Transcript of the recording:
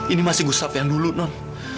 ini masih gustaf yang dulu non